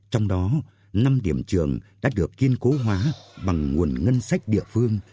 trong đó năm điểm trường đã được kiên cố hóa bằng nguồn ngân sách địa phương